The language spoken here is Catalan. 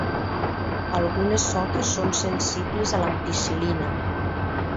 Algunes soques són sensibles a l'ampicil·lina.